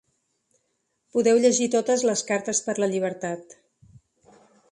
Podeu llegir totes les Cartes per la llibertat.